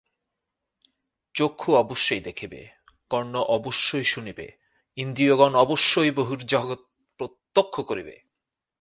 চক্ষু অবশ্যই দেখিবে, কর্ণ অবশ্যই শুনিবে, ইন্দ্রিয়গণ অবশ্যই বহির্জগৎ প্রত্যক্ষ করিবে।